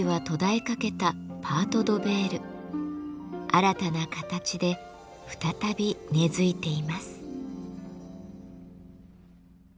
新たな形で再び根づいています。